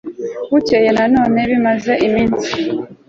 bukeye na none bimaze iminsi